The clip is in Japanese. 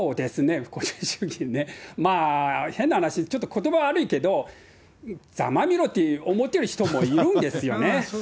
まあ、変な話、ちょっとことば悪いけど、ざまあみろって思ってる人もいるんですよね。